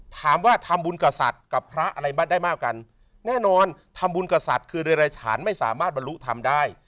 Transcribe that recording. ถามว่าทำบุญกับสัตว์กับพระอะไรได้มากกันแน่นอนทำบุญกับสัตว์คือโดยรายฉานไม่สามารถบรรลุทำได้